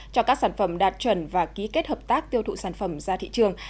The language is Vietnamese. cho các sản phẩm đạt chuẩn và ký kết hợp tác tiêu thụ sản phẩm ra thị trường